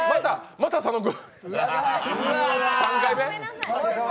また佐野君。